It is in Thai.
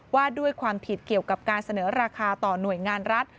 ว่าด้วยความผิดเกี่ยวกับการเสนอราคาต่อหน่วยงานรัฐ